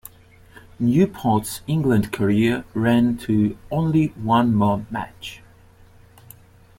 Newport's England career ran to only one more match.